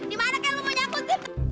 dimana kaya lu mau nyangkut steve